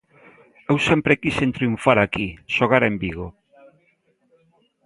Eu sempre quixen triunfar aquí, xogar en Vigo.